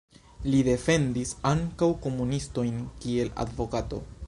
Li defendis ankaŭ komunistojn kiel advokato.